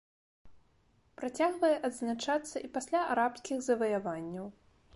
Працягвае адзначацца і пасля арабскіх заваяванняў.